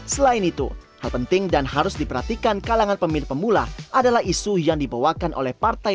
selain itu hal penting dan harus diperhatikan kalangan pemilih pemula adalah isu yang dibawakan oleh partai